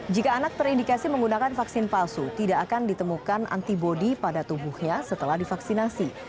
jika anak terindikasi menggunakan vaksin palsu tidak akan ditemukan antibody pada tubuhnya setelah divaksinasi